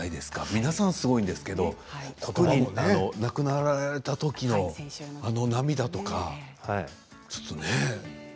皆さん、すごいですけど亡くなられた時のあの涙とかちょっとね。